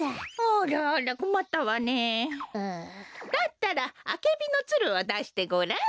だったらアケビのツルをだしてごらん？